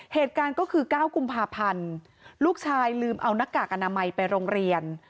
เหตุการณ์ก็คือ๙กุมภาพันธ์ลูกชายลืมเอาหน้ากากอนามัยไปโรงเรียน